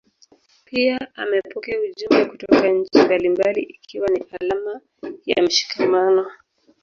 Pia amepokea ujumbe kutoka nchi mbalimbali ikiwa ni alama ya mshikamano